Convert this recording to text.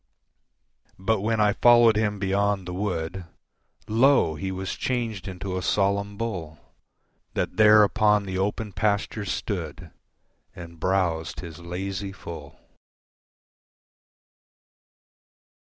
But when I followed him beyond the wood, Lo! He was changed into a solemn bull That there upon the open pasture stood And browsed his lazy full.